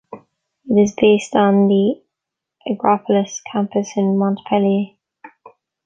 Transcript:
It is based at the Agropolis campus in Montpellier.